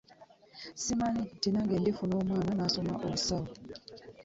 Simanyi nti nange ndifuna omwana n'asoma obusawo.